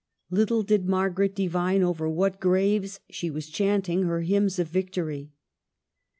Little did Margaret divine over what graves she was chanting her hymns of victory.